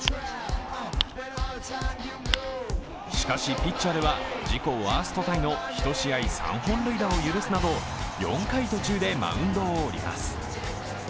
しかし、ピッチャーでは自己ワーストタイの１試合３本塁打を許すなど４回途中でマウンドを降ります。